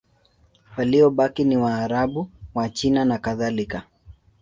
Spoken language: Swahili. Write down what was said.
Waliobaki ni Waarabu, Wachina nakadhalika.